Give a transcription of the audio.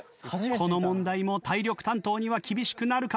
この問題も体力担当には厳しくなるか？